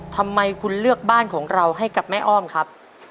ทำไมคุณเลือกบ้านของเราให้กับแม่อ้อมครับ